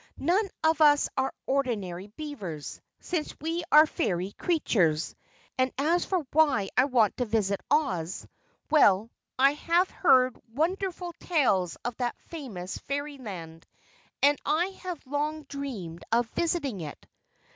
"None of us are ordinary beavers, since we are fairy creatures. And as for why I want to visit Oz well, I have heard wonderful tales of that famous fairyland, and I have long dreamed of visiting it."